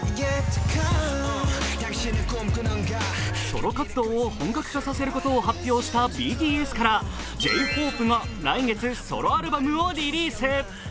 ソロ活動を本格化させることを発表したＢＴＳからＪ−ＨＯＰＥが来月、ソロアルバムをリリース。